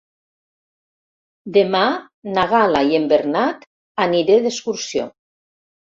Demà na Gal·la i en Bernat aniré d'excursió.